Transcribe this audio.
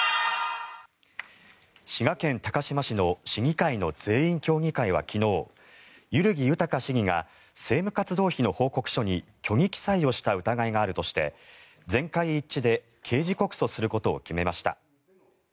滋賀県高島市の市議会の全員協議会は昨日万木豊市議が政務活動費の報告書に虚偽記載をした疑いがあるとして全会一致で刑事告訴することを決めました。